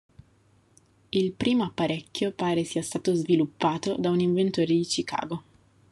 Il primo apparecchio pare sia stato sviluppato da un inventore di Chicago.